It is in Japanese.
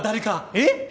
えっ！？